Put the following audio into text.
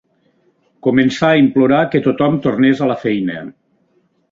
Començà a implorar que tothom tornés a la feina